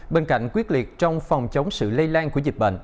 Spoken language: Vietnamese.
bên cạnh quyết liệt trong phòng chống sự lây lan của dịch bệnh